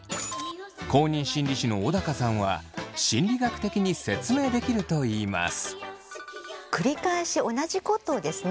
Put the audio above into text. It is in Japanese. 公認心理師の小高さんは心理学的に説明できるといいます。